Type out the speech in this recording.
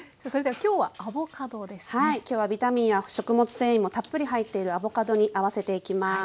はい今日はビタミンや食物繊維もたっぷり入っているアボカドに合わせていきます。